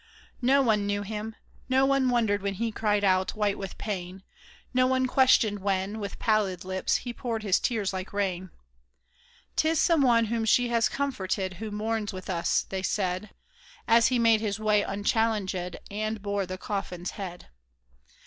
No one knew him ; no one wondered when he cried out, white with pain ; No one questioned when, with pallid lips, he poured his tears like rain. *' 'Tis someone whom she has comforted who mourns with us," they said. As he made his way unchallenged, and bore the coffin's head.